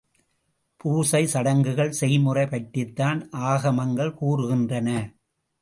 பூசை, சடங்குகள் செய்முறை பற்றித்தான் ஆகமங்கள் கூறுகின்றன.